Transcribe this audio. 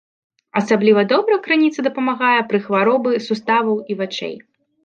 Асабліва добра крыніца дапамагае пры хваробы суставаў і вачэй.